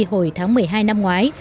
hồi tháng một mươi hai năm ngoái